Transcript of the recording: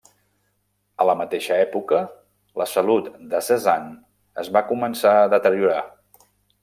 A la mateixa època la salut de Cézanne es va començar a deteriorar.